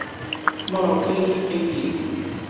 Maɣef ay yeqqim Yidir?